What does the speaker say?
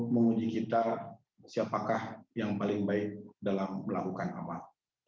menguji kita siapakah yang paling baik dalam melakukan amal